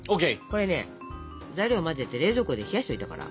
これね材料を混ぜて冷蔵庫で冷やしといたから。